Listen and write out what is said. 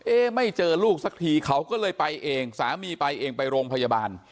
ไม่เจอลูกสักทีเขาก็เลยไปเองสามีไปเองไปโรงพยาบาล